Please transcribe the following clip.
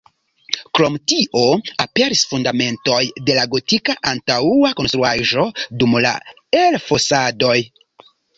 Krom tio aperis fundamentoj de la gotika antaŭa konstruaĵo dum la elfosadoj.